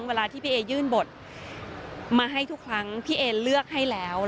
เวลาที่พี่เอยื่นบทมาให้ทุกครั้งพี่เอเลือกให้แล้ว